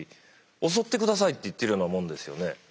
襲ってくださいって言ってるようなもんですよね？